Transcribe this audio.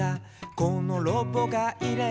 「このロボがいれば」